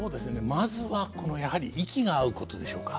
まずはやはり息が合うことでしょうか。